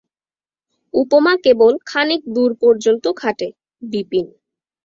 উপমা কেবল খানিক দূর পর্যন্ত খাটে– বিপিন।